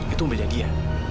itu mobilnya dia